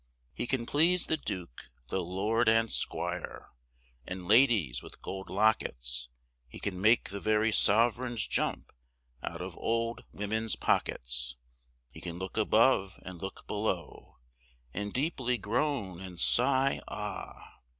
He can please the duke, the lord, & squire And ladies with gold lockets, He can make the very sovereigns jump Out of old women's pockets. He can look above, and look below, And deeply groan, and sigh, ah!